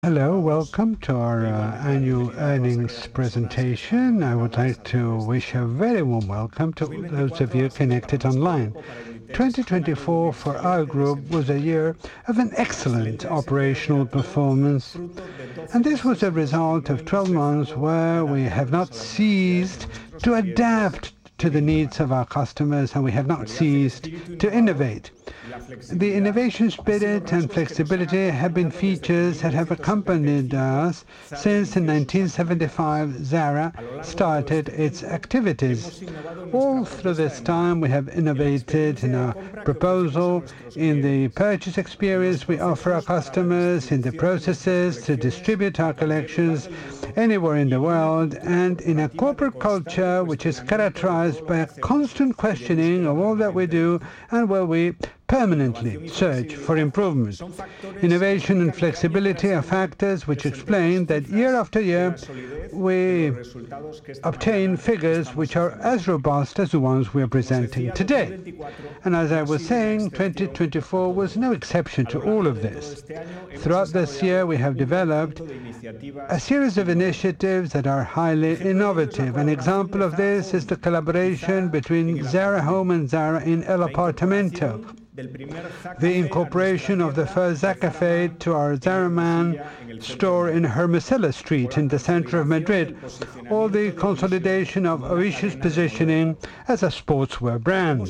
Hello, welcome to our annual earnings presentation. I would like to wish a very warm welcome to all those of you connected online. 2024, for our group, was a year of excellent operational performance, and this was a result of 12 months where we have not ceased to adapt to the needs of our customers, and we have not ceased to innovate. we permanently search for improvement. Innovation and flexibility are factors which explain that year after year we obtain figures which are as robust as the ones we are presenting today. As I was saying, 2024 was no exception to all of this. Throughout this year, we have developed a series of initiatives that are highly innovative. An example of this is the collaboration between Zara Home and Zara in El Apartamento, the incorporation of the first Zara Café to our Zara Man store in Hermosilla Street in the center of Madrid, or the consolidation of Oysho positioning as a sportswear brand.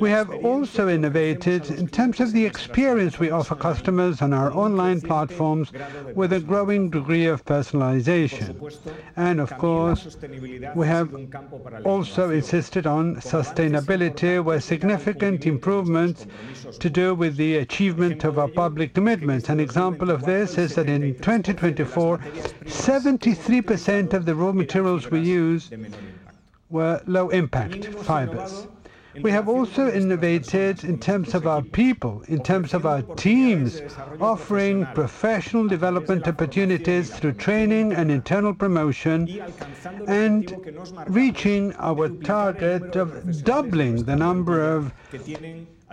We have also innovated in terms of the experience we offer customers on our online platforms with a growing degree of personalization. Of course, we have also insisted on sustainability, where significant improvements to do with the achievement of our public commitments. An example of this is that in 2024, 73% of the raw materials we use were low-impact fibers. We have also innovated in terms of our people, in terms of our teams, offering professional development opportunities through training and internal promotion, and reaching our target of doubling the number of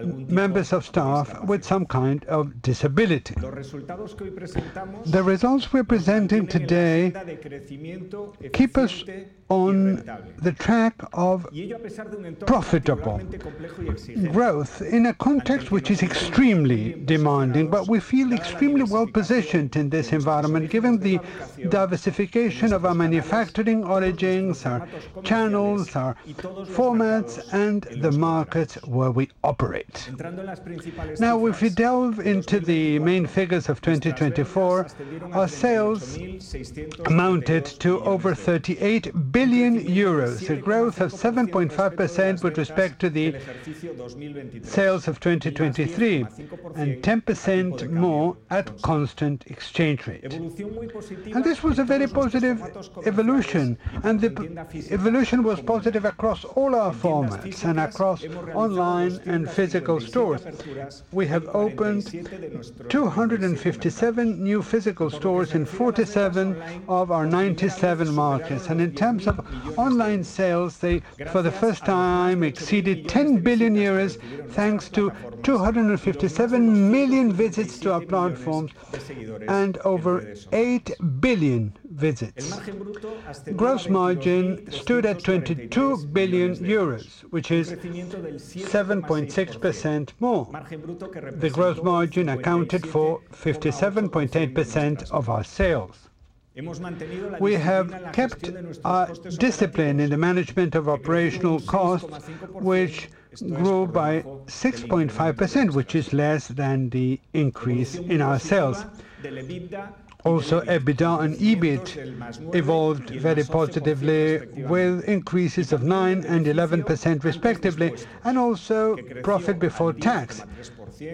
members of staff with some kind of disability. The results we're presenting today keep us on the track of profitable growth in a context which is extremely demanding, but we feel extremely well-positioned in this environment given the diversification of our manufacturing origins, our channels, our formats, and the markets where we operate. Now, if we delve into the main figures of 2024, our sales amounted to over 38 billion euros, a growth of 7.5% with respect to the sales of 2023, and 10% more at constant exchange rate. This was a very positive evolution, and the evolution was positive across all our formats and across online and physical stores. We have opened 257 new physical stores in 47 of our 97 markets. In terms of online sales, they for the first time exceeded 10 billion euros, thanks to 257 million visits to our platforms and over 8 billion visits. Gross margin stood at 22 billion euros, which is 7.6% more. The gross margin accounted for 57.8% of our sales. We have kept our discipline in the management of operational costs, which grew by 6.5%, which is less than the increase in our sales. Also, EBITDA and EBIT evolved very positively, with increases of 9% and 11% respectively, and also profit before tax,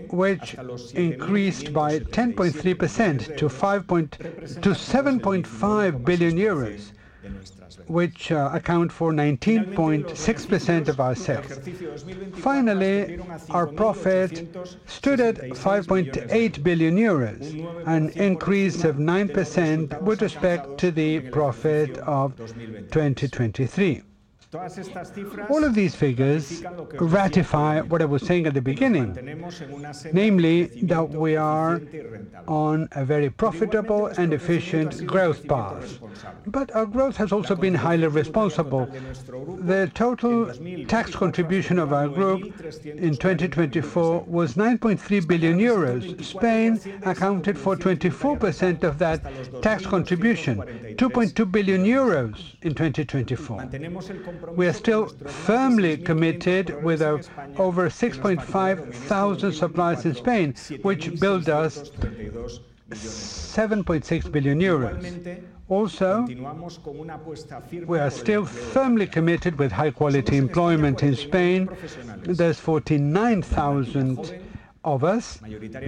which increased by 10.3% to 7.5 billion euros, which accounts for 19.6% of our sales. Finally, our profit stood at 5.8 billion euros, an increase of 9% with respect to the profit of 2023. All of these figures ratify what I was saying at the beginning, namely that we are on a very profitable and efficient growth path. Our growth has also been highly responsible. The total tax contribution of our group in 2024 was 9.3 billion euros. Spain accounted for 24% of that tax contribution, 2.2 billion euros in 2024. We are still firmly committed with over 6,500 suppliers in Spain, which builds us 7.6 billion euros. Also, we are still firmly committed with high-quality employment in Spain. There's 49,000 of us,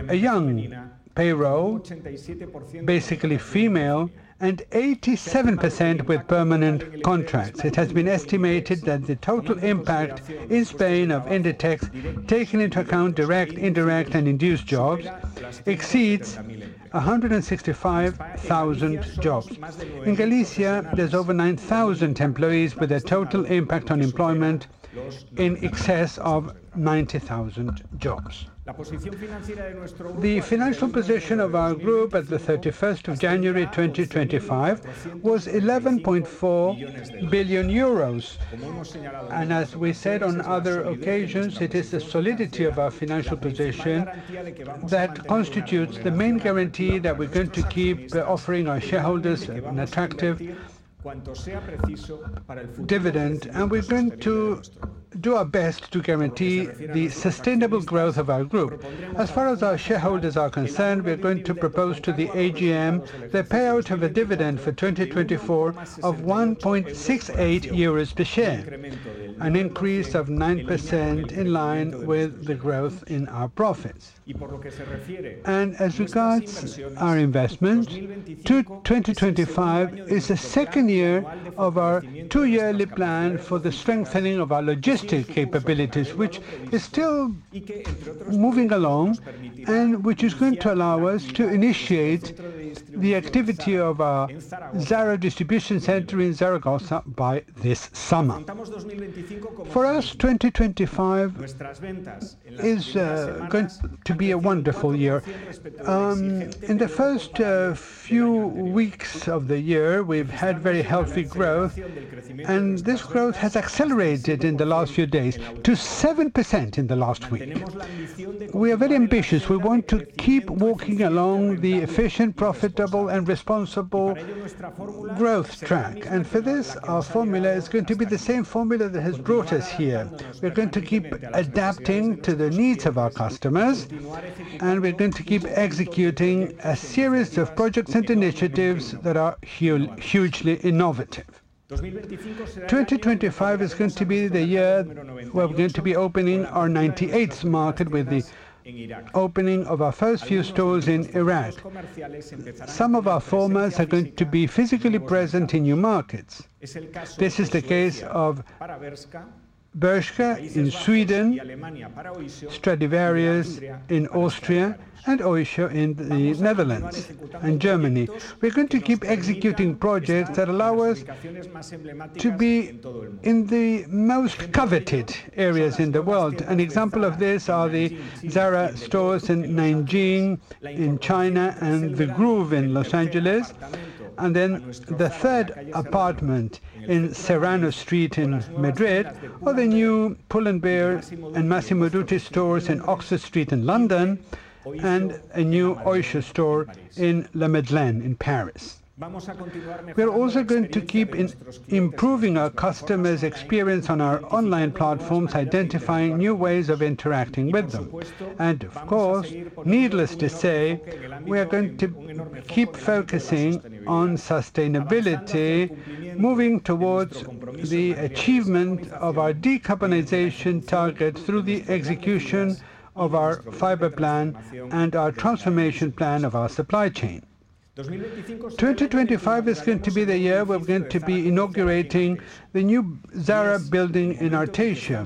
a young payroll, basically female, and 87% with permanent contracts. It has been estimated that the total impact in Spain of Inditex, taking into account direct, indirect, and induced jobs, exceeds 165,000 jobs. In Galicia, there's over 9,000 employees with a total impact on employment in excess of 90,000 jobs. The financial position of our group at the 31st of January, 2025, was 11.4 billion euros. As we said on other occasions, it is the solidity of our financial position that constitutes the main guarantee that we're going to keep offering our shareholders an attractive dividend, and we're going to do our best to guarantee the sustainable growth of our group. As far as our shareholders are concerned, we're going to propose to the AGM the payout of a dividend for 2024 of 1.68 euros per share, an increase of 9% in line with the growth in our profits. As regards our investment, 2025 is the second year of our two-yearly plan for the strengthening of our logistic capabilities, which is still moving along and which is going to allow us to initiate the activity of our Zara distribution center in Zaragoza by this summer. For us, 2025 is going to be a wonderful year. In the first few weeks of the year, we've had very healthy growth, and this growth has accelerated in the last few days to 7% in the last week. We are very ambitious. We want to keep walking along the efficient, profitable, and responsible growth track. For this, our formula is going to be the same formula that has brought us here. We're going to keep adapting to the needs of our customers, and we're going to keep executing a series of projects and initiatives that are hugely innovative. 2025 is going to be the year where we're going to be opening our 98th market with the opening of our first few stores in Iraq. Some of our formats are going to be physically present in new markets. This is the case of Bershka in Sweden, Stradivarius in Austria, and Oysho in the Netherlands and Germany. We're going to keep executing projects that allow us to be in the most coveted areas in the world. An example of this are the Zara stores in Nanjing in China and The Grove in Los Angeles, and then the third apartment in Serrano Street in Madrid, or the new Pull & Bear and Massimo Dutti stores in Oxford Street in London, and a new Oysho store in La Madeleine in Paris. We're also going to keep improving our customers' experience on our online platforms, identifying new ways of interacting with them. Of course, needless to say, we are going to keep focusing on sustainability, moving towards the achievement of our decarbonization targets through the execution of our fiber plan and our transformation plan of our supply chain. 2025 is going to be the year we're going to be inaugurating the new Zara building in Arteixo,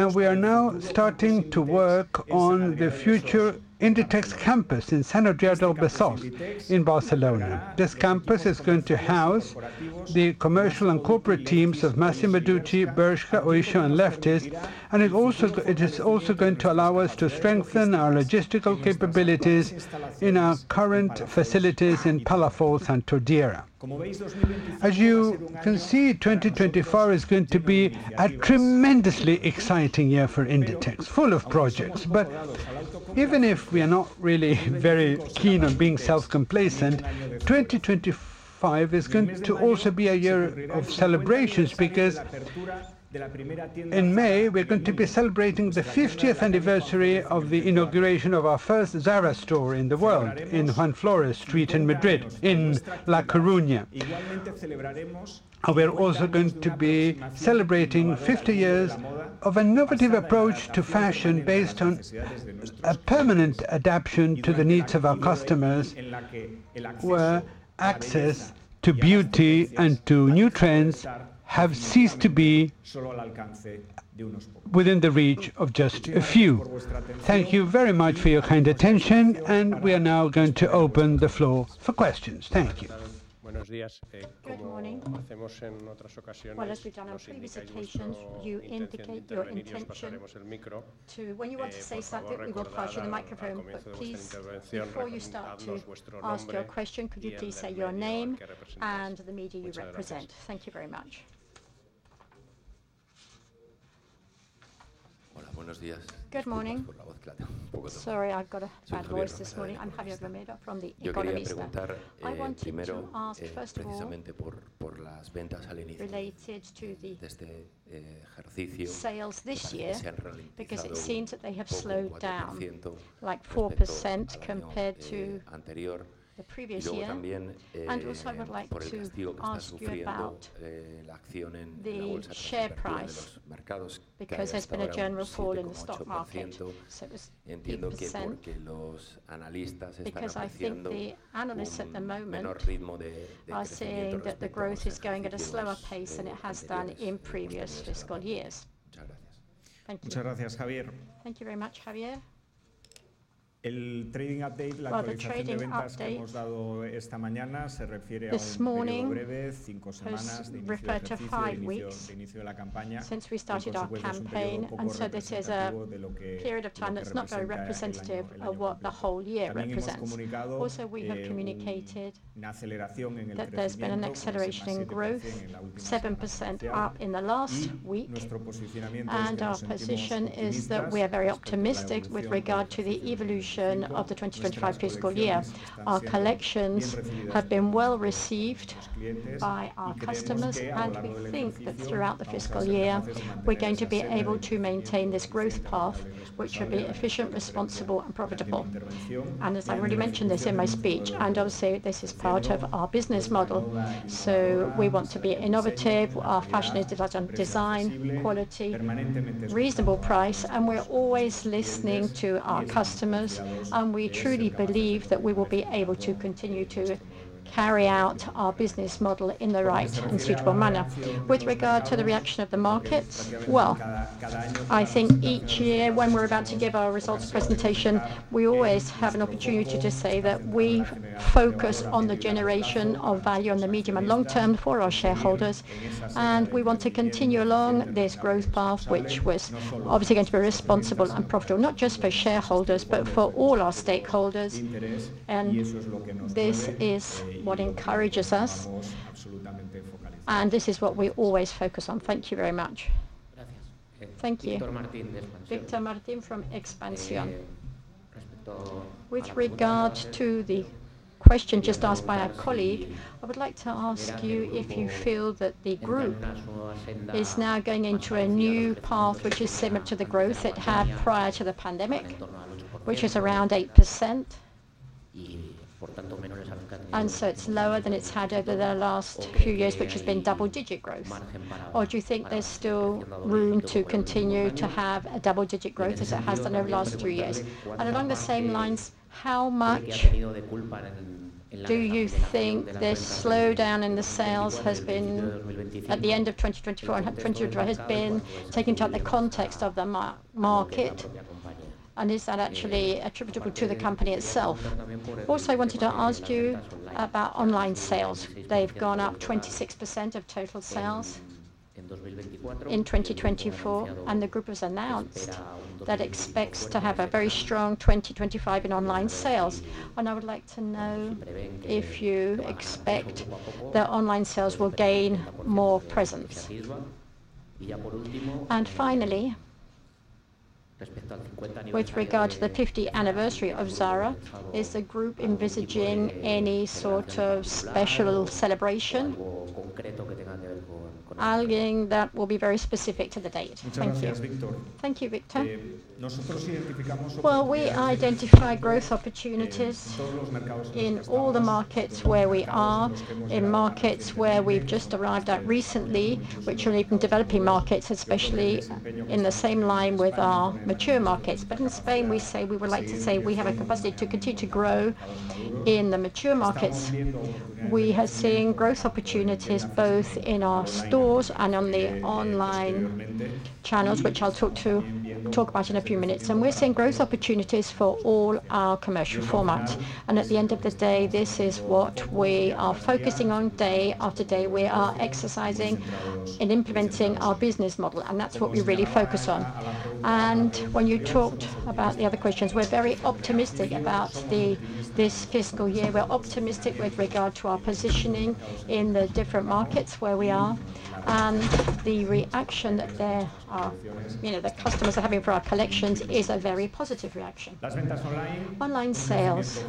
and we are now starting to work on the future Inditex Campus in Sant Adrià de Besòs in Barcelona. This campus is going to house the commercial and corporate teams of Massimo Dutti, Bershka, Oysho, and Lefties, and it is also going to allow us to strengthen our logistical capabilities in our current facilities in Palafolls and Tordera. As you can see, 2024 is going to be a tremendously exciting year for Inditex, full of projects. Even if we are not really very keen on being self-complacent, 2025 is going to also be a year of celebrations because in May, we are going to be celebrating the 50th anniversary of the inauguration of our first Zara store in the world in Juan Flórez Street in Madrid, in La Coruña. We are also going to be celebrating 50 years of an innovative approach to fashion based on a permanent adaptation to the needs of our customers, where access to beauty and to new trends have ceased to be within the reach of just a few. Thank you very much for your kind attention, and we are now going to open the floor for questions. Thank you. Good morning. When you want to say something, we will pass you the microphone, but please, before you start to ask your question, could you please say your name and the media you represent? Thank you very much. Good morning. Sorry, I've got a bad voice this morning. I'm Javier Romera from El Economista. I wanted to ask, first of all, related to the sales this year because it seems that they have slowed down like 4% compared to the previous year. Also, I would like to ask you about the share price because there's been a general fall in the stock market. I think the analysts at the moment are saying that the growth is going at a slower pace than it has done in previous fiscal years. Thank you. Thank you very much, Javier. The trading update, the update that we've just given this morning, referred to five weeks since we started our campaign, and this is a period of time that's not very representative of what the whole year represents. Also, we have communicated that there's been an acceleration in growth, 7% up in the last week, and our position is that we are very optimistic with regard to the evolution of the 2025 fiscal year. Our collections have been well received by our customers, and we think that throughout the fiscal year, we're going to be able to maintain this growth path, which will be efficient, responsible, and profitable. As I already mentioned this in my speech, obviously, this is part of our business model, so we want to be innovative. Our fashion is design, quality, reasonable price, and we're always listening to our customers, and we truly believe that we will be able to continue to carry out our business model in the right and suitable manner. With regard to the reaction of the markets, I think each year when we're about to give our results presentation, we always have an opportunity to say that we focus on the generation of value in the medium and long term for our shareholders, and we want to continue along this growth path, which was obviously going to be responsible and profitable, not just for shareholders, but for all our stakeholders. This is what encourages us, and this is what we always focus on. Thank you very much. Thank you. Victor Martínez from Expansión. With regard to the question just asked by our colleague, I would like to ask you if you feel that the group is now going into a new path, which is similar to the growth it had prior to the pandemic, which is around 8%, and so it's lower than it's had over the last few years, which has been double-digit growth? Do you think there's still room to continue to have a double-digit growth as it has done over the last three years? Along the same lines, how much do you think this slowdown in the sales has been at the end of 2024 and has been taken into account the context of the market, and is that actually attributable to the company itself? Also, I wanted to ask you about online sales. They've gone up 26% of total sales in 2024, and the group has announced that it expects to have a very strong 2025 in online sales. I would like to know if you expect that online sales will gain more presence. Finally, with regard to the 50th anniversary of Zara, is the group envisaging any sort of special celebration, something that will be very specific to the date? Thank you. Thank you, Victor. We identify growth opportunities in all the markets where we are, in markets where we've just arrived at recently, which are even developing markets, especially in the same line with our mature markets. In Spain, we say we would like to say we have a capacity to continue to grow in the mature markets. We are seeing growth opportunities both in our stores and on the online channels, which I'll talk about in a few minutes. We are seeing growth opportunities for all our commercial formats. At the end of the day, this is what we are focusing on day after day. We are exercising and implementing our business model, and that's what we really focus on. When you talked about the other questions, we're very optimistic about this fiscal year. We're optimistic with regard to our positioning in the different markets where we are, and the reaction that the customers are having for our collections is a very positive reaction. Online sales,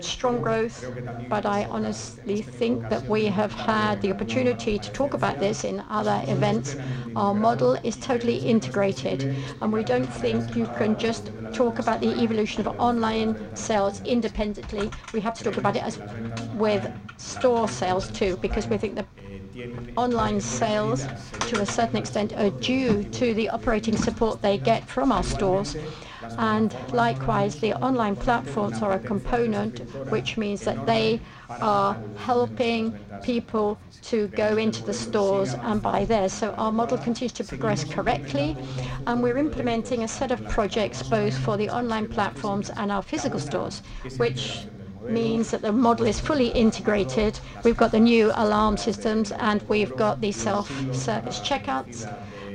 strong growth, but I honestly think that we have had the opportunity to talk about this in other events. Our model is totally integrated, and we don't think you can just talk about the evolution of online sales independently. We have to talk about it with store sales too, because we think that online sales, to a certain extent, are due to the operating support they get from our stores. Likewise, the online platforms are a component, which means that they are helping people to go into the stores and buy there. Our model continues to progress correctly, and we're implementing a set of projects both for the online platforms and our physical stores, which means that the model is fully integrated. We've got the new alarm systems, and we've got the self-service checkouts,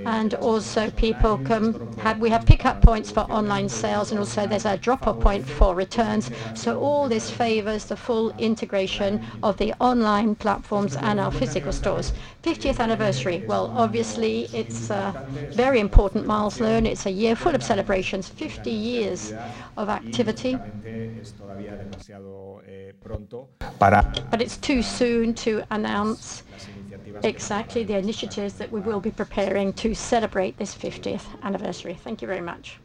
and also people can have pickup points for online sales, and also there's a drop-off point for returns. All this favors the full integration of the online platforms and our physical stores. 50th anniversary. Obviously, it's very important, milestone. It's a year full of celebrations, 50 years of activity. It is too soon to announce exactly the initiatives that we will be preparing to celebrate this 50th anniversary. Thank you very much.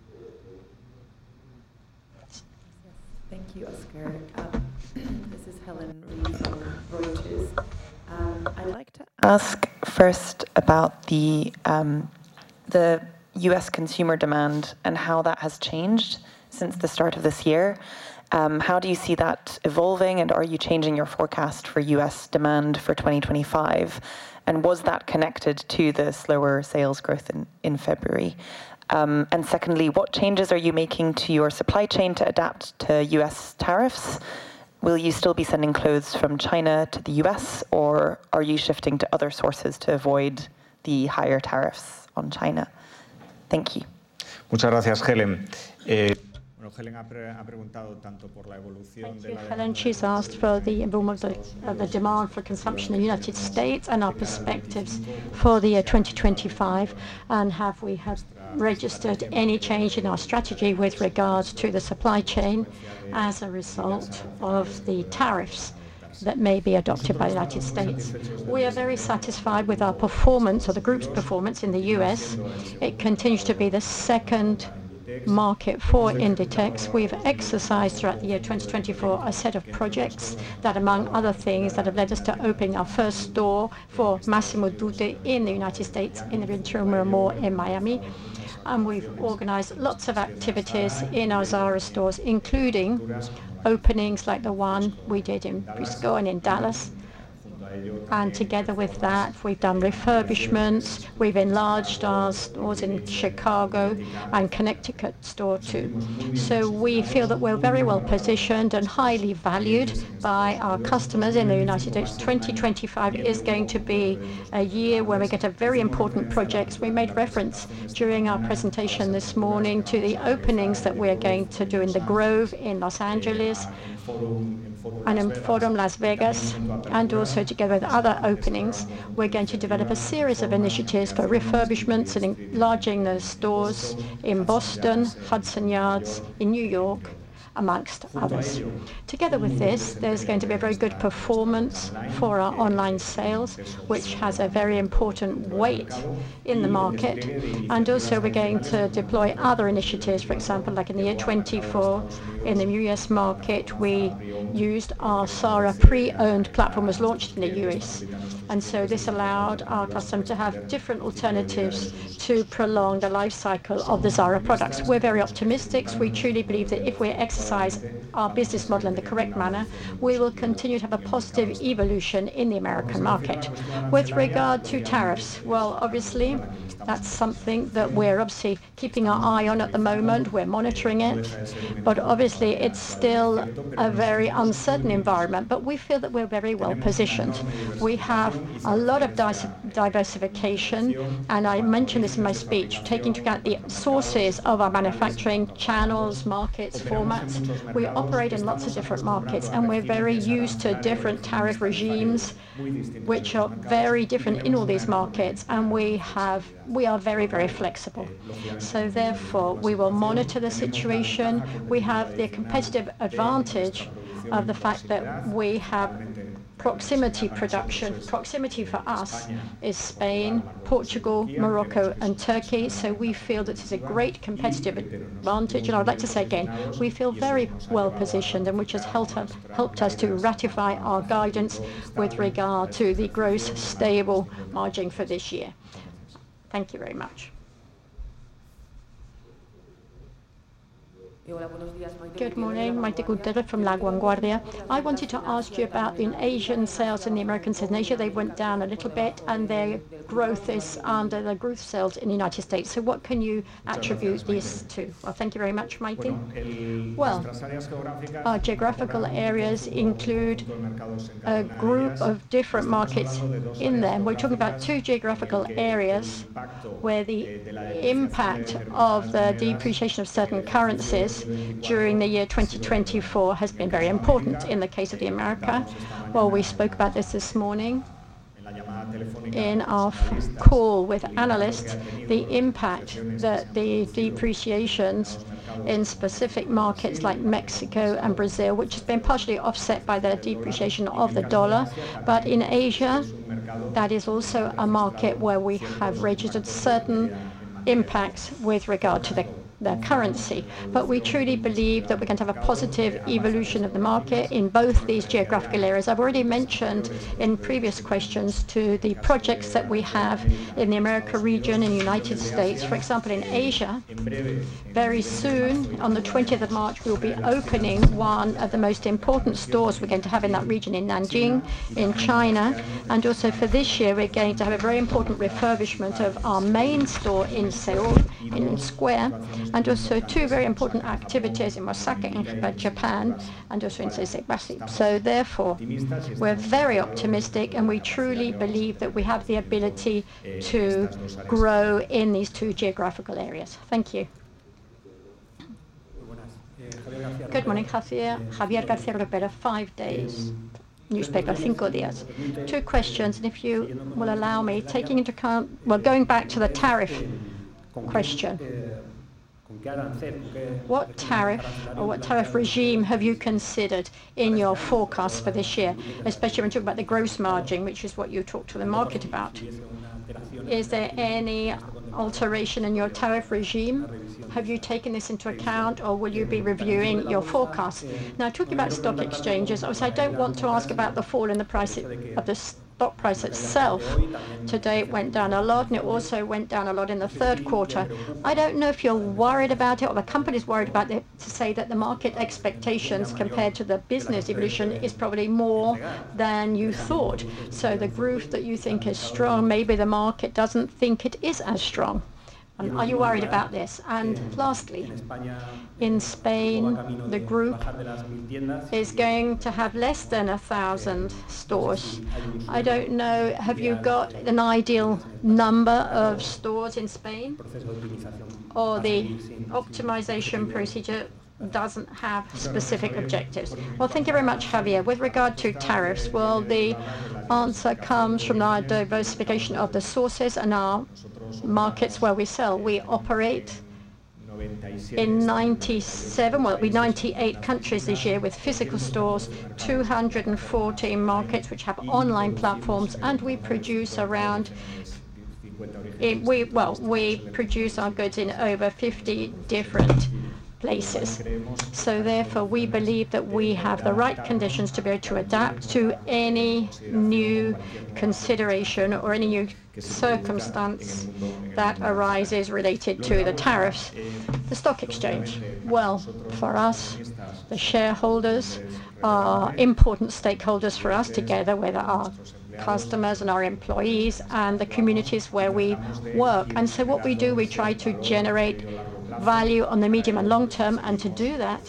Thank you, Óscar. This is Helen Reid from Reuters. I'd like to ask first about the U.S. consumer demand and how that has changed since the start of this year. How do you see that evolving, and are you changing your forecast for U.S. demand for 2025? Was that connected to the slower sales growth in February? Secondly, what changes are you making to your supply chain to adapt to U.S. tariffs? Will you still be sending clothes from China to the U.S., or are you shifting to other sources to avoid the higher tariffs on China? Thank you. Helen has asked for the demand for consumption in the United States and our perspectives for the year 2025, and have we registered any change in our strategy with regard to the supply chain as a result of the tariffs that may be adopted by the United States? We are very satisfied with our performance, or the group's performance in the U.S. It continues to be the second market for Inditex. We've exercised throughout the year 2024 a set of projects that, among other things, have led us to opening our first door for Massimo Dutti in the United States, in the Aventura Mall in Miami. We've organized lots of activities in our Zara stores, including openings like the one we did in Frisco and in Dallas. Together with that, we've done refurbishments. We've enlarged our stores in Chicago and connected to store two. We feel that we're very well positioned and highly valued by our customers in the United. 2025 is going to be a year where we get a very important project. We made reference during our presentation this morning to the openings that we are going to do in The Grove in Los Angeles and in Fordham, Las Vegas. Also, together with other openings, we're going to develop a series of initiatives for refurbishments and enlarging the stores in Boston, Hudson Yards, in New York, amongst others. Together with this, there's going to be a very good performance for our online sales, which has a very important weight in the market. Also, we're going to deploy other initiatives. For example, like in the year 2024, in the US market, we used our Zara Pre-Owned platform was launched in the US. This allowed our customers to have different alternatives to prolong the lifecycle of the Zara products. We're very optimistic. We truly believe that if we exercise our business model in the correct manner, we will continue to have a positive evolution in the American market. With regard to tariffs, obviously, that's something that we're obviously keeping our eye on at the moment. We're monitoring it, but obviously, it's still a very uncertain environment. We feel that we're very well positioned. We have a lot of diversification, and I mentioned this in my speech, taking into account the sources of our manufacturing channels, markets, formats. We operate in lots of different markets, and we're very used to different tariff regimes, which are very different in all these markets, and we are very, very flexible. Therefore, we will monitor the situation. We have the competitive advantage of the fact that we have proximity production. Proximity for us is Spain, Portugal, Morocco, and Turkey. We feel that it is a great competitive advantage, and I'd like to say again, we feel very well positioned, which has helped us to ratify our guidance with regard to the gross stable margin for this year. Thank you very much. Good morning. Maite Gutiérrez ordera from La Vanguardia. I wanted to ask you about the Asian sales and the Americas. In Asia, they went down a little bit, and their growth is under the growth sales in the United States. What can you attribute this to? Thank you very much, Maite. Geographical areas include a group of different markets in there. We are talking about two geographical areas where the impact of the depreciation of certain currencies during the year 2024 has been very important in the case of the Americas. We spoke about this this morning in our call with analysts, the impact that the depreciations in specific markets like Mexico and Brazil, which has been partially offset by the depreciation of the dollar. In Asia, that is also a market where we have registered certain impacts with regard to the currency. We truly believe that we're going to have a positive evolution of the market in both these geographical areas. I've already mentioned in previous questions the projects that we have in the America region, in the United States. For example, in Asia, very soon, on the 20th of March, we will be opening one of the most important stores we're going to have in that region, in Nanjing, in China. Also for this year, we're going to have a very important refurbishment of our main store in Seoul, in Noon Square, and also two very important activities in Osaka and Japan, and also in Shinsaibashi. Therefore, we're very optimistic, and we truly believe that we have the ability to grow in these two geographical areas. Thank you. Good morning, Javier García Ropero, Cinco Días. Two questions, and if you will allow me, taking into account, going back to the tariff question, what tariff or what tariff regime have you considered in your forecast for this year, especially when we talk about the gross margin, which is what you talk to the market about? Is there any alteration in your tariff regime? Have you taken this into account, or will you be reviewing your forecast? Now, talking about stock exchanges, obviously, I don't want to ask about the fall in the price of the stock price itself. Today, it went down a lot, and it also went down a lot in the third quarter. I don't know if you're worried about it or the company is worried about it to say that the market expectations compared to the business evolution is probably more than you thought. So the growth that you think is strong, maybe the market doesn't think it is as strong. Are you worried about this? Lastly, in Spain, the group is going to have less than 1,000 stores. I don't know, have you got an ideal number of stores in Spain? Or the optimization procedure doesn't have specific objectives? Thank you very much, Javier. With regard to tariffs, the answer comes from our diversification of the sources and our markets where we sell. We operate in 97, 98 countries this year with physical stores, 214 markets which have online platforms, and we produce around, we produce our goods in over 50 different places. Therefore, we believe that we have the right conditions to be able to adapt to any new consideration or any new circumstance that arises related to the tariffs. The stock exchange, for us, the shareholders are important stakeholders for us together, whether our customers and our employees and the communities where we work. What we do, we try to generate value on the medium and long term, and to do that,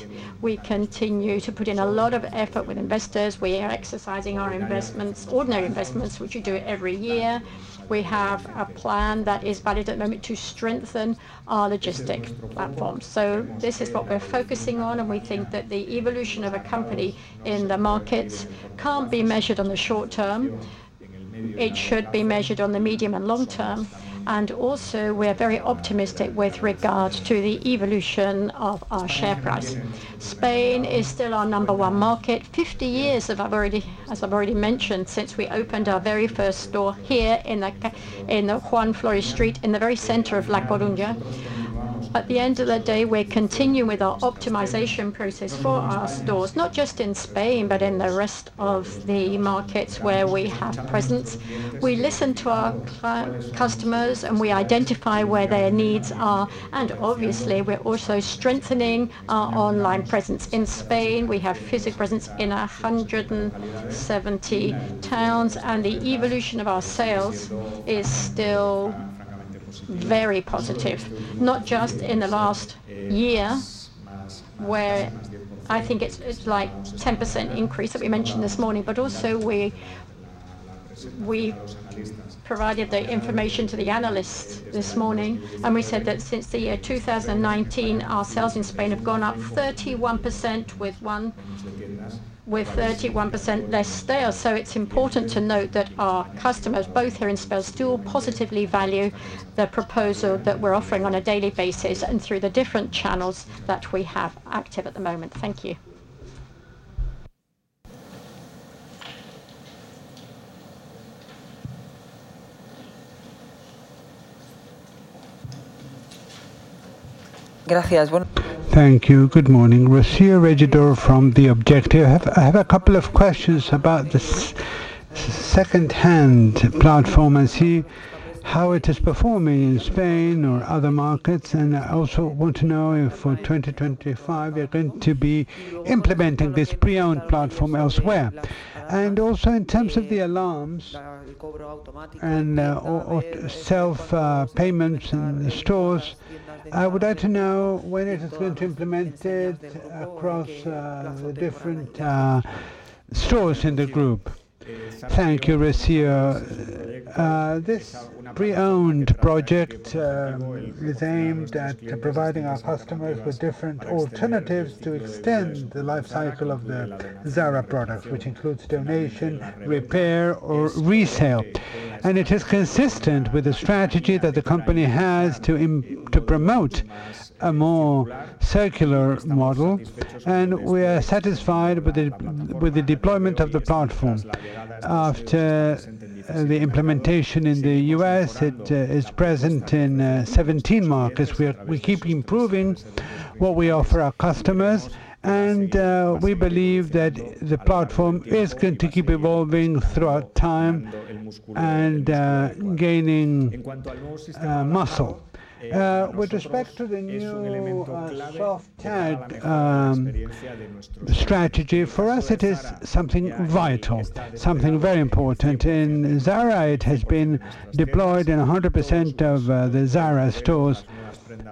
we continue to put in a lot of effort with investors. We are exercising our investments, ordinary investments, which we do every year. We have a plan that is valid at the moment to strengthen our logistic platforms. This is what we're focusing on, and we think that the evolution of a company in the markets can't be measured on the short term. It should be measured on the medium and long term. Also, we're very optimistic with regard to the evolution of our share price. Spain is still our number one market. Fifty years of, as I've already mentioned, since we opened our very first store here in Juan Flórez Street, in the very center of La Coruña. At the end of the day, we're continuing with our optimization process for our stores, not just in Spain, but in the rest of the markets where we have presence. We listen to our customers, and we identify where their needs are. Obviously, we're also strengthening our online presence in Spain. We have physical presence in 170 towns, and the evolution of our sales is still very positive, not just in the last year, where I think it's like a 10% increase that we mentioned this morning, but also we provided the information to the analysts this morning, and we said that since the year 2019, our sales in Spain have gone up 31% with 31% less sales. It is important to note that our customers, both here in Spain, still positively value the proposal that we're offering on a daily basis and through the different channels that we have active at the moment. Thank you. Gracias. Thank you. Good morning. Rocio Regidor from The Objective. I have a couple of questions about this second-hand platform and see how it is performing in Spain or other markets, and I also want to know if for 2025 you are going to be implementing this pre-owned platform elsewhere. Also, in terms of the alarms and self-payments in the stores, I would like to know when it is going to be implemented across the different stores in the group. Thank you, Rocio. This pre-owned project is aimed at providing our customers with different alternatives to extend the lifecycle of the Zara products, which includes donation, repair, or resale. It is consistent with the strategy that the company has to promote a more circular model, and we are satisfied with the deployment of the platform. After the implementation in the US, it is present in 17 markets. We keep improving what we offer our customers, and we believe that the platform is going to keep evolving throughout time and gaining muscle. With respect to the new soft tag strategy, for us, it is something vital, something very important. In Zara, it has been deployed in 100% of the Zara stores,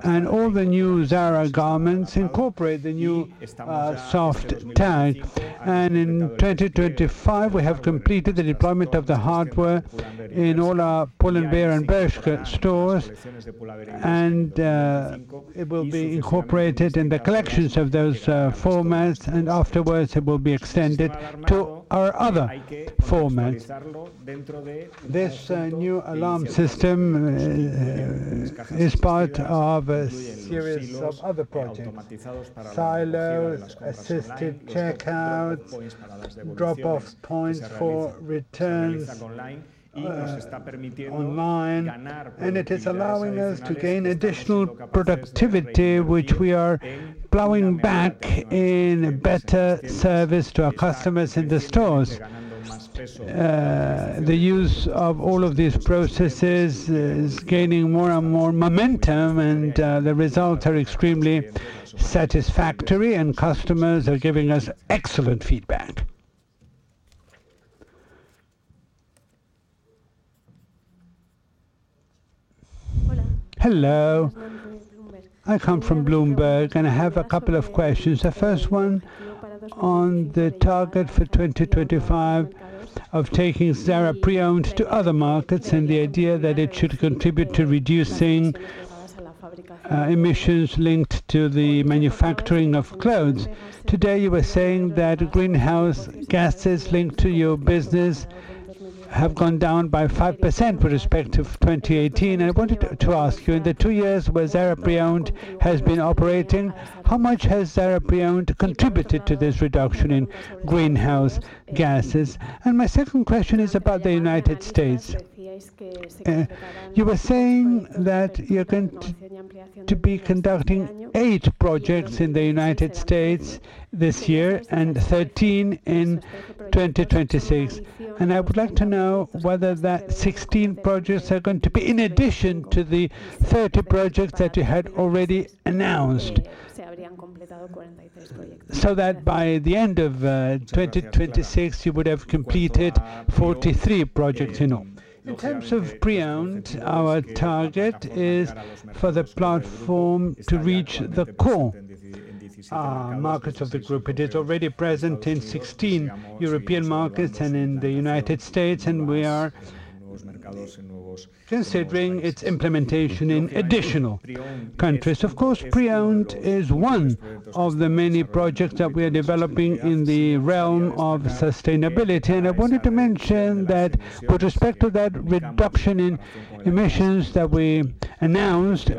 and all the new Zara garments incorporate the new soft tag. In 2025, we have completed the deployment of the hardware in all our Pull & Bear and Bershka stores, and it will be incorporated in the collections of those formats, and afterwards, it will be extended to our other formats. This new alarm system is part of a series of other projects: self-assisted checkout, drop-off points for returns online, and it is allowing us to gain additional productivity, which we are plowing back in better service to our customers in the stores. The use of all of these processes is gaining more and more momentum, and the results are extremely satisfactory, and customers are giving us excellent feedback. Hello. I come from Bloomberg, and I have a couple of questions. The first one on the target for 2025 of taking Zara pre-owned to other markets and the idea that it should contribute to reducing emissions linked to the manufacturing of clothes. Today, you were saying that greenhouse gases linked to your business have gone down by 5% with respect to 2018. I wanted to ask you, in the two years where Zara pre-owned has been operating, how much has Zara pre-owned contributed to this reduction in greenhouse gases? My second question is about the United States. You were saying that you're going to be conducting eight projects in the United States this year and 13 in 2026. I would like to know whether that 16 projects are going to be in addition to the 30 projects that you had already announced, so that by the end of 2026, you would have completed 43 projects in all. In terms of pre-owned, our target is for the platform to reach the core markets of the group. It is already present in 16 European markets and in the United States, and we are considering its implementation in additional countries. Of course, pre-owned is one of the many projects that we are developing in the realm of sustainability. I wanted to mention that with respect to that reduction in emissions that we announced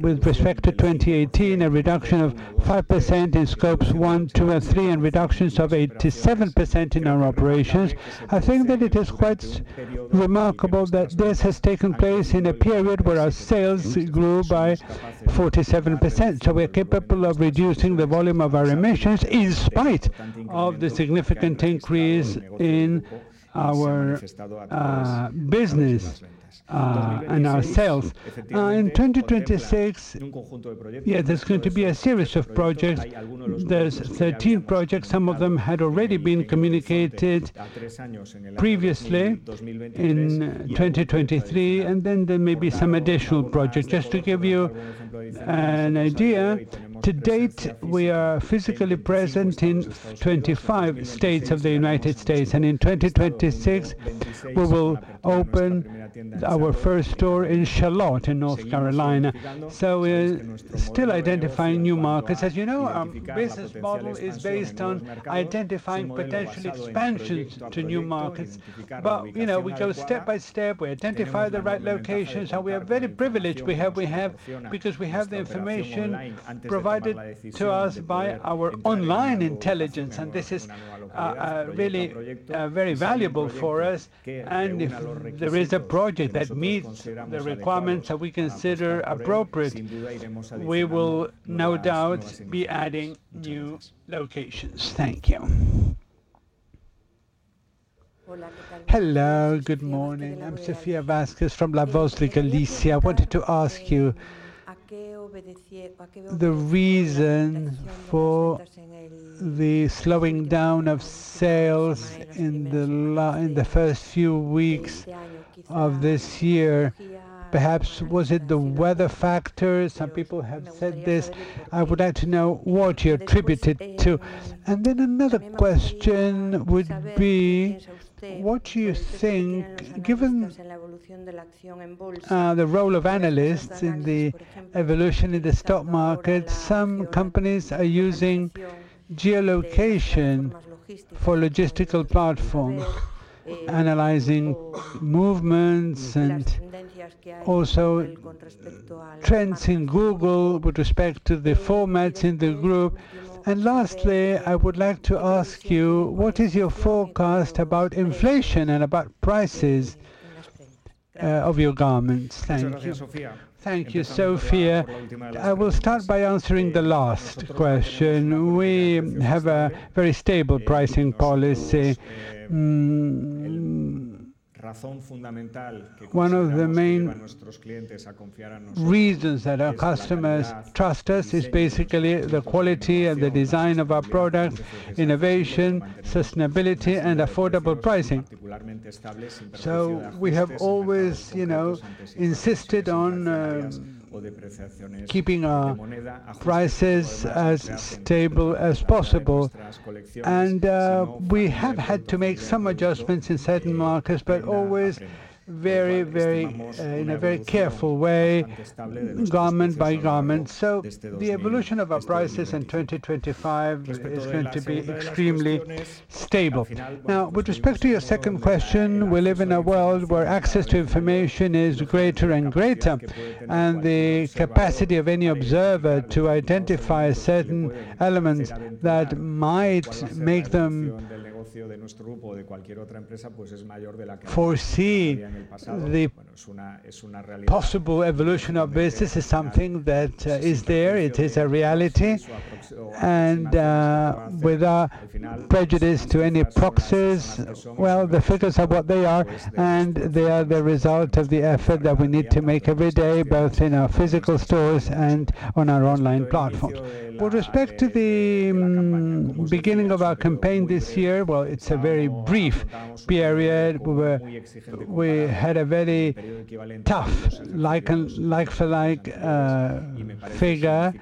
with respect to 2018, a reduction of 5% in scopes one, two, and three, and reductions of 87% in our operations. I think that it is quite remarkable that this has taken place in a period where our sales grew by 47%. We are capable of reducing the volume of our emissions in spite of the significant increase in our business and our sales. In 2026, yeah, there is going to be a series of projects. There are 13 projects. Some of them had already been communicated previously in 2023, and then there may be some additional projects. Just to give you an idea, to date, we are physically present in 25 states of the United States, and in 2026, we will open our first store in Charlotte in North Carolina. We are still identifying new markets. As you know, our business model is based on identifying potential expansions to new markets. We go step by step. We identify the right locations. We are very privileged because we have the information provided to us by our online intelligence, and this is really very valuable for us. If there is a project that meets the requirements that we consider appropriate, we will no doubt be adding new locations. Thank you. Hello, good morning. I'm Sofia Vázquez from La Voz de Galicia. I wanted to ask you the reason for the slowing down of sales in the first few weeks of this year. Perhaps was it the weather factors? Some people have said this. I would like to know what you attribute it to. Another question would be, what do you think, given the role of analysts in the evolution in the stock market, some companies are using geolocation for logistical platforms, analyzing movements and also trends in Google with respect to the formats in the group? Lastly, I would like to ask you, what is your forecast about inflation and about prices of your garments? Thank you. Thank you, Sofia. I will start by answering the last question. We have a very stable pricing policy. One of the main reasons that our customers trust us is basically the quality and the design of our products, innovation, sustainability, and affordable pricing. We have always insisted on keeping our prices as stable as possible. We have had to make some adjustments in certain markets, but always in a very careful way, government by government. The evolution of our prices in 2025 is going to be extremely stable. Now, with respect to your second question, we live in a world where access to information is greater and greater, and the capacity of any observer to identify certain elements that might make them foresee the possible evolution of business is something that is there. It is a reality. Without prejudice to any proxes, the figures are what they are, and they are the result of the effort that we need to make every day, both in our physical stores and on our online platforms. With respect to the beginning of our campaign this year, it is a very brief period. We had a very tough like-for-like figure.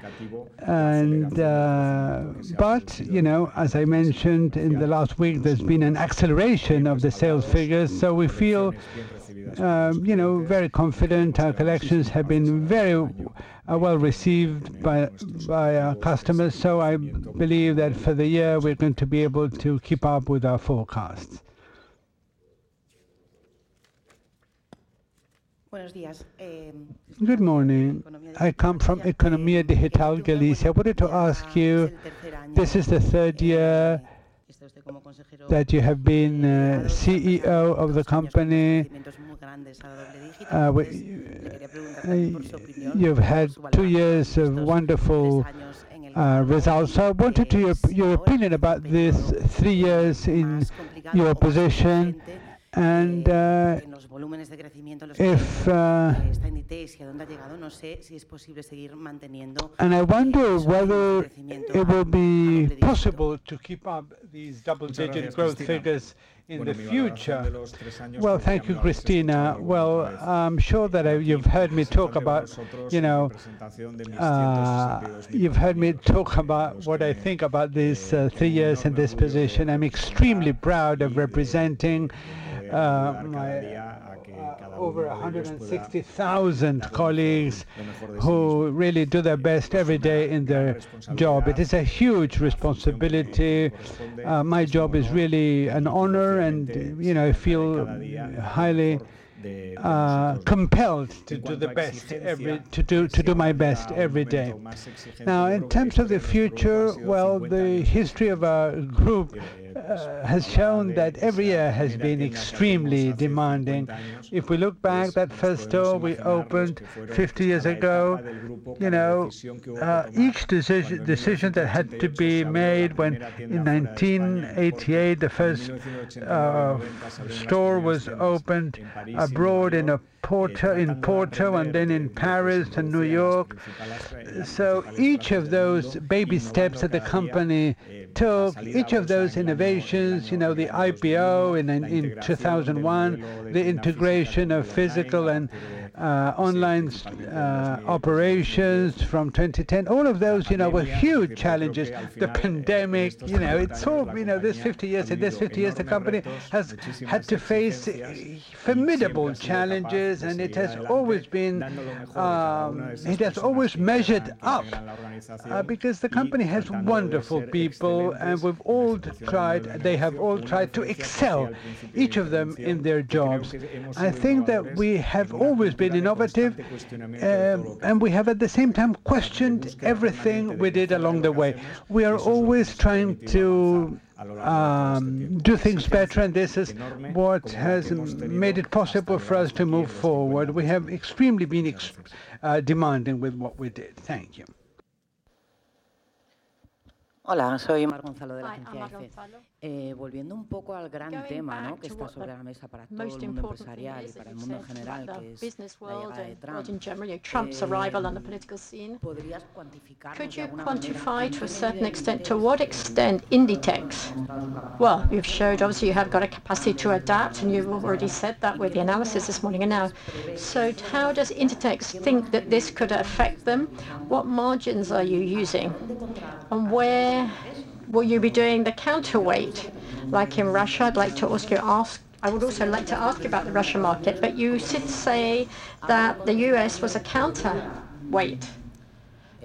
As I mentioned in the last week, there has been an acceleration of the sales figures. We feel very confident. Our collections have been very well received by our customers. I believe that for the year, we're going to be able to keep up with our forecasts. Buenos días. Good morning. I come from Economía Digital Galicia. I wanted to ask you, this is the third year that you have been CEO of the company. You've had two years of wonderful results. I wanted your opinion about these three years in your position and if it will be possible to keep up these double-digit growth figures in the future. Thank you, Cristina. I'm sure that you've heard me talk about what I think about these three years in this position. I'm extremely proud of representing over 160,000 colleagues who really do their best every day in their job. It is a huge responsibility. My job is really an honor, and I feel highly compelled to do my best every day. Now, in terms of the future, the history of our group has shown that every year has been extremely demanding. If we look back, that first store we opened 50 years ago, each decision that had to be made when in 1988, the first store was opened abroad in Porto and then in Paris and New York. Each of those baby steps that the company took, each of those innovations, the IPO in 2001, the integration of physical and online operations from 2010, all of those were huge challenges. The pandemic, it's all this 50 years. In this 50 years, the company has had to face formidable challenges, and it has always measured up because the company has wonderful people, and they have all tried to excel, each of them in their jobs. I think that we have always been innovative, and we have at the same time questioned everything we did along the way. We are always trying to do things better, and this is what has made it possible for us to move forward. We have been extremely demanding with what we did. Thank you. Hola, soy Mar Gonzalo de la Agencia EFE. Volviendo un poco al gran tema que está sobre la mesa para todos. Empresarial y para el mundo en general, que es el de Trump. Trump's arrival on the political scene. Could you quantify to a certain extent to what extent Inditex? You have showed, obviously, you have got a capacity to adapt, and you've already said that with the analysis this morning. Now, how does Inditex think that this could affect them? What margins are you using? And where will you be doing the counterweight? Like in Russia, I'd like to ask you about the Russian market, but you said that the US was a counterweight,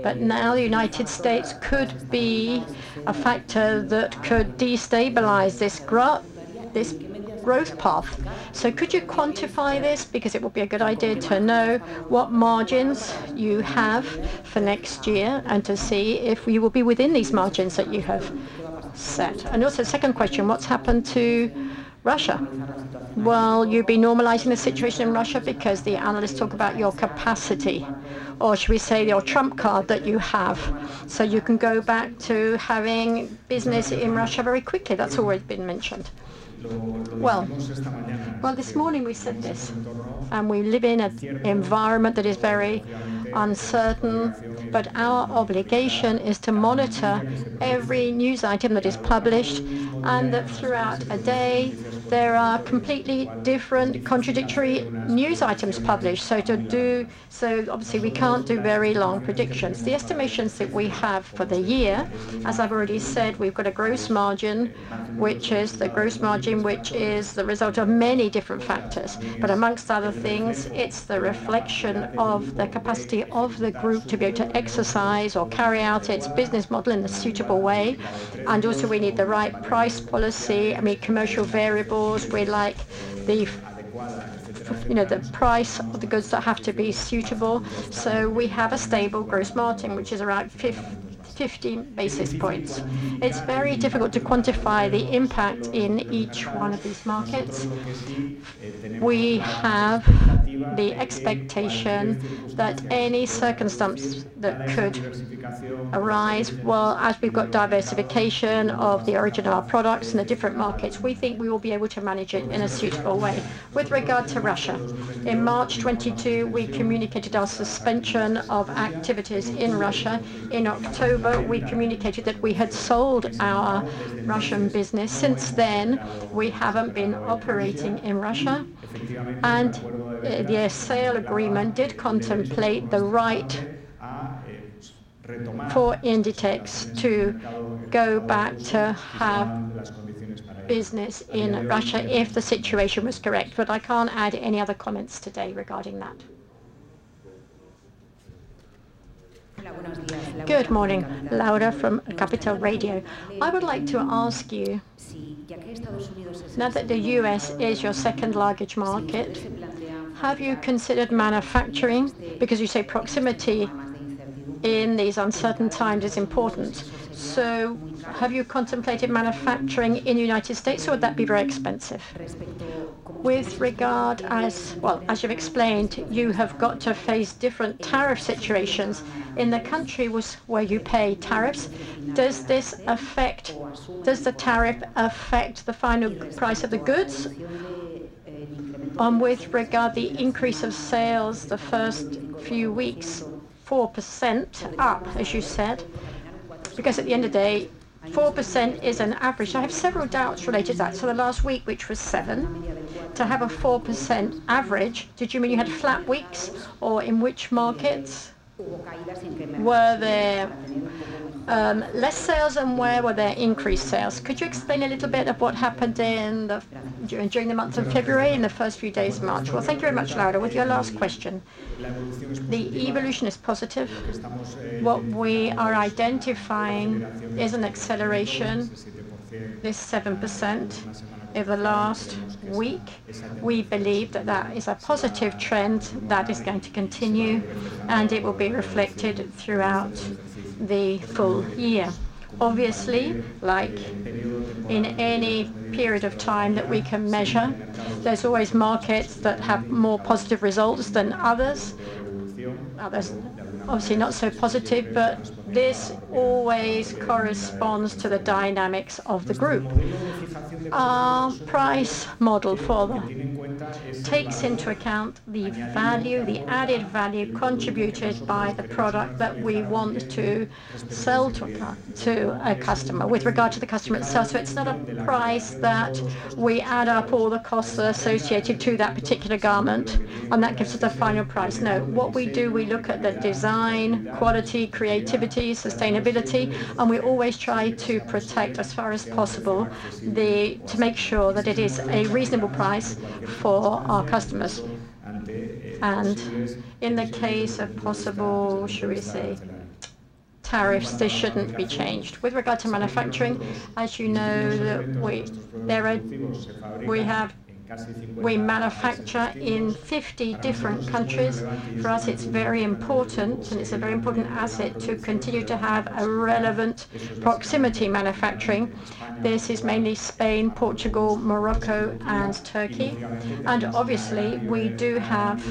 but now the United States could be a factor that could destabilize this growth path. Could you quantify this? It would be a good idea to know what margins you have for next year and to see if you will be within these margins that you have set. Also, second question, what's happened to Russia? You've been normalizing the situation in Russia because the analysts talk about your capacity, or should we say your Trump card that you have, so you can go back to having business in Russia very quickly. That's already been mentioned. This morning we said this, and we live in an environment that is very uncertain, but our obligation is to monitor every news item that is published and that throughout a day there are completely different contradictory news items published. Obviously, we can't do very long predictions. The estimations that we have for the year, as I've already said, we've got a gross margin, which is the gross margin that is the result of many different factors. Amongst other things, it's the reflection of the capacity of the group to be able to exercise or carry out its business model in a suitable way. Also, we need the right price policy. I mean, commercial variables were like the price of the goods that have to be suitable. We have a stable gross margin, which is around 15 basis points. It's very difficult to quantify the impact in each one of these markets. We have the expectation that any circumstance that could arise, as we've got diversification of the origin of our products in the different markets, we think we will be able to manage it in a suitable way. With regard to Russia, in March 2022, we communicated our suspension of activities in Russia. In October, we communicated that we had sold our Russian business. Since then, we haven't been operating in Russia. The sale agreement did contemplate the right for Inditex to go back to have business in Russia if the situation was correct. I can't add any other comments today regarding that. Good morning, Laura from Capital Radio. I would like to ask you, now that the U.S. is your second largest market, have you considered manufacturing? Because you say proximity in these uncertain times is important. Have you contemplated manufacturing in the United States, or would that be very expensive? As you have explained, you have got to face different tariff situations in the country where you pay tariffs. Does the tariff affect the final price of the goods? With regard to the increase of sales, the first few weeks, 4% up, as you said. At the end of the day, 4% is an average. I have several doubts related to that. The last week, which was 7, to have a 4% average, did you mean you had flat weeks or in which markets? Were there less sales, and where were there increased sales? Could you explain a little bit of what happened during the month of February and the first few days of March? Thank you very much, Laura. With your last question, the evolution is positive. What we are identifying is an acceleration of this 7% over the last week. We believe that that is a positive trend that is going to continue, and it will be reflected throughout the full year. Obviously, like in any period of time that we can measure, there's always markets that have more positive results than others. Obviously, not so positive, but this always corresponds to the dynamics of the group. Our price model takes into account the added value contributed by the product that we want to sell to a customer with regard to the customer itself. It is not a price that we add up all the costs associated to that particular garment, and that gives us the final price. No. What we do, we look at the design, quality, creativity, sustainability, and we always try to protect as far as possible to make sure that it is a reasonable price for our customers. In the case of possible tariffs, they shouldn't be changed. With regard to manufacturing, as you know, we manufacture in 50 different countries. For us, it's very important, and it's a very important asset to continue to have a relevant proximity manufacturing. This is mainly Spain, Portugal, Morocco, and Turkey. Obviously, we do have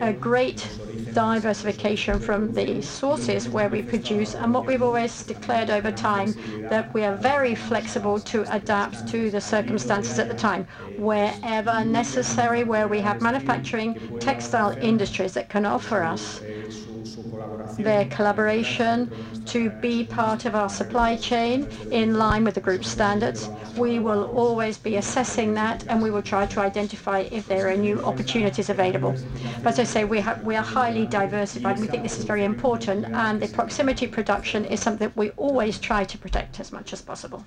a great diversification from the sources where we produce. What we've always declared over time is that we are very flexible to adapt to the circumstances at the time. Wherever necessary, where we have manufacturing textile industries that can offer us their collaboration to be part of our supply chain in line with the group standards, we will always be assessing that, and we will try to identify if there are new opportunities available. As I say, we are highly diversified, and we think this is very important. The proximity production is something that we always try to protect as much as possible.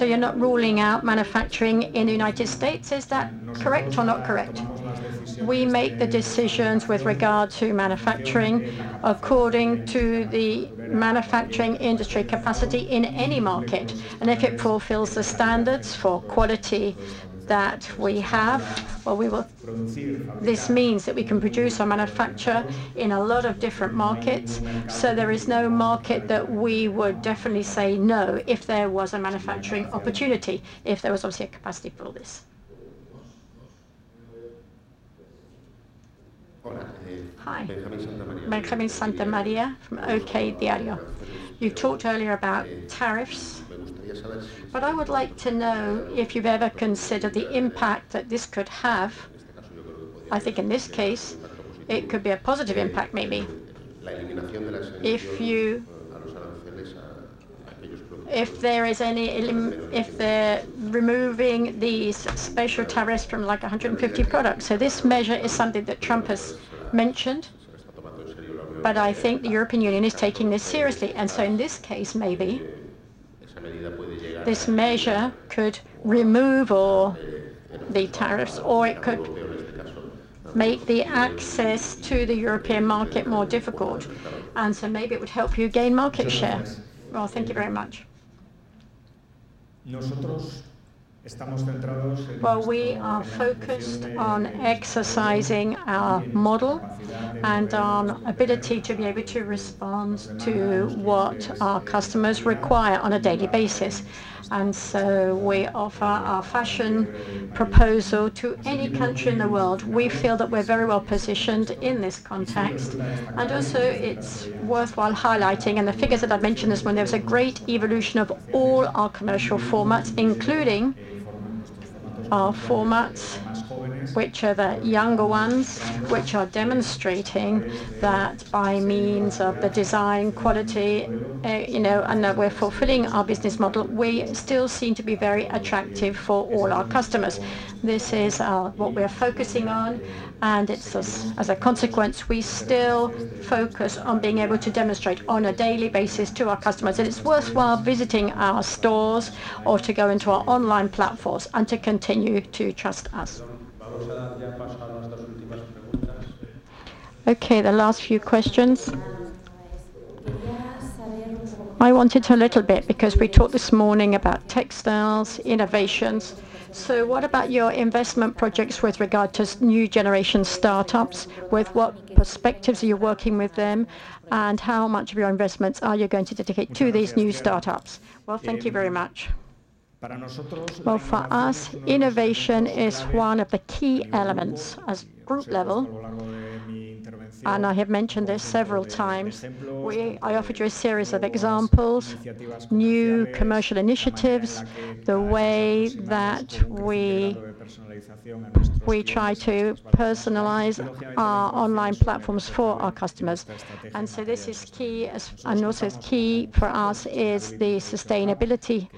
You're not ruling out manufacturing in the United States. Is that correct or not correct? We make the decisions with regard to manufacturing according to the manufacturing industry capacity in any market. If it fulfills the standards for quality that we have, this means that we can produce or manufacture in a lot of different markets. There is no market that we would definitely say no if there was a manufacturing opportunity, if there was obviously a capacity for this. Hi. Benjamín Santamaría from OKDiario. You talked earlier about tariffs, but I would like to know if you've ever considered the impact that this could have. I think in this case, it could be a positive impact, maybe, if there is any removing these special tariffs from like 150 products. This measure is something that Trump has mentioned, but I think the European Union is taking this seriously. In this case, maybe this measure could remove all the tariffs, or it could make the access to the European market more difficult. Maybe it would help you gain market share. Thank you very much. We are focused on exercising our model and our ability to be able to respond to what our customers require on a daily basis. We offer our fashion proposal to any country in the world. We feel that we are very well positioned in this context. It is worthwhile highlighting, in the figures that I have mentioned this morning, there was a great evolution of all our commercial formats, including our formats which are the younger ones, which are demonstrating that by means of the design quality and that we are fulfilling our business model, we still seem to be very attractive for all our customers. This is what we are focusing on, and as a consequence, we still focus on being able to demonstrate on a daily basis to our customers. It is worthwhile visiting our stores or to go into our online platforms and to continue to trust us. Okay, the last few questions. I wanted to a little bit because we talked this morning about textiles, innovations. What about your investment projects with regard to new generation startups? With what perspectives are you working with them, and how much of your investments are you going to dedicate to these new startups? Thank you very much. For us, innovation is one of the key elements at group level, and I have mentioned this several times. I offered you a series of examples, new commercial initiatives, the way that we try to personalize our online platforms for our customers. This is key, and also is key for us, is the sustainability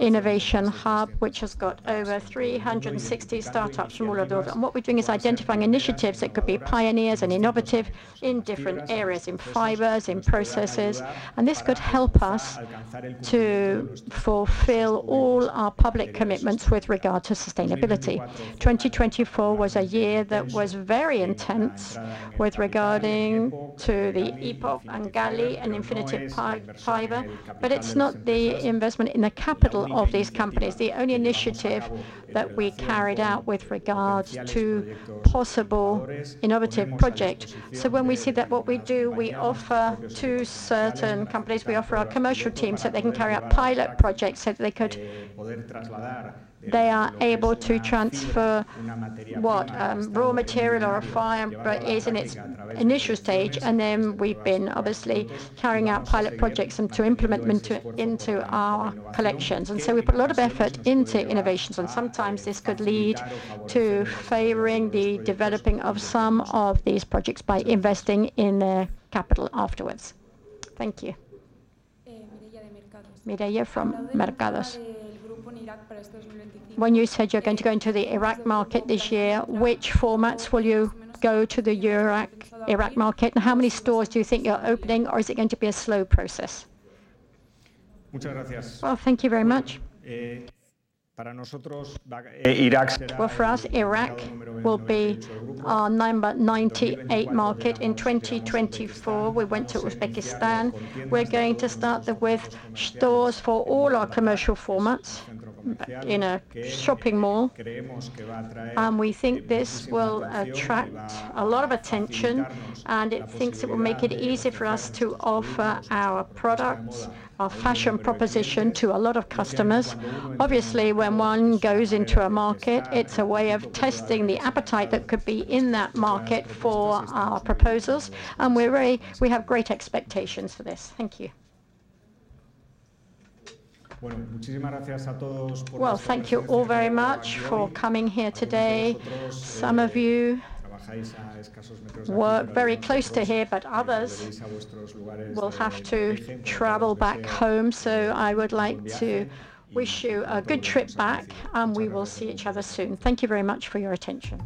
innovation hub, which has got over 360 startups from all over the world. What we are doing is identifying initiatives that could be pioneers and innovative in different areas, in fibers, in processes. This could help us to fulfill all our public commitments with regard to sustainability. 2024 was a year that was very intense with regard to the Epoch and Galy and Infinited Fiber, but it is not the investment in the capital of these companies. The only initiative that we carried out with regard to possible innovative projects. When we see that what we do, we offer to certain companies, we offer our commercial teams so they can carry out pilot projects so that they could, they are able to transfer what raw material or a fiber is in its initial stage. We have been obviously carrying out pilot projects and to implement them into our collections. We put a lot of effort into innovations, and sometimes this could lead to favoring the developing of some of these projects by investing in their capital afterwards. Thank you. Mireya from Mercados. When you said you're going to go into the Iraq market this year, which formats will you go to the Iraq market, and how many stores do you think you're opening, or is it going to be a slow process? Thank you very much. Iraq will be our number 98 market in 2024. We went to Uzbekistan. We're going to start with stores for all our commercial formats in a shopping mall, and we think this will attract a lot of attention, and it thinks it will make it easy for us to offer our products, our fashion proposition to a lot of customers. Obviously, when one goes into a market, it's a way of testing the appetite that could be in that market for our proposals, and we have great expectations for this. Thank you. Bueno, muchísimas gracias a todos. Thank you all very much for coming here today. Some of you work very close to here, but others will have to travel back home. I would like to wish you a good trip back, and we will see each other soon. Thank you very much for your attention.